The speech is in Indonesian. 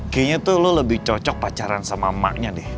kayaknya tuh lo lebih cocok pacaran sama emaknya deh